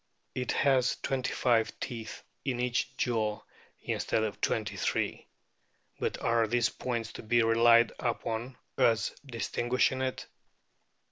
It has twenty five teeth in each jaw instead of twenty three ; but are these points to be relied upon as distinguishing it